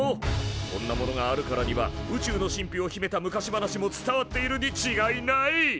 こんなものがあるからには宇宙の神秘をひめた昔話も伝わっているにちがいない！